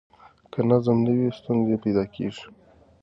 که نظم نه وي، ستونزې پیدا کېږي.